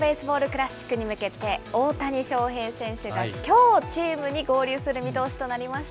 クラシックに向けて大谷翔平選手がきょう、チームに合流する見通しとなりました。